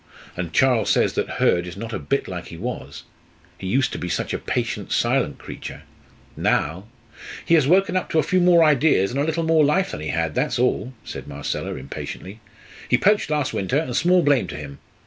And Charles says that Hurd is not a bit like he was. He used to be such a patient, silent creature. Now " "He has woke up to a few more ideas and a little more life than he had, that's all," said Marcella, impatiently. "He poached last winter, and small blame to him.